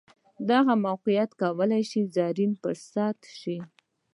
دغه موقیعت کولای شي زرین فرصت شي.